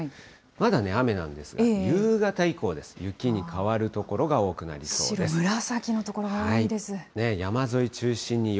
まだね、雨なんですが、夕方以降です、雪に変わる所が多くなりそ白、紫の所が多いです。